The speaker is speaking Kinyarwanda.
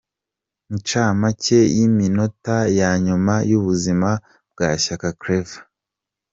Incamake y’iminota ya nyuma y’ubuzima bwa Shayaka Claver.